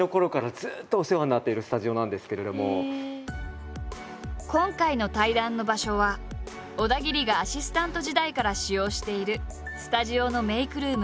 もう私が今回の対談の場所は小田切がアシスタント時代から使用しているスタジオのメイクルーム。